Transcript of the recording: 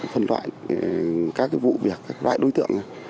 phần loại các vụ việc các loại đối tượng